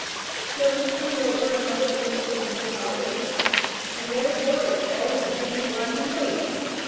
So he turned over another leaf of the Book of Knowledge, and there it was all in plain black and white.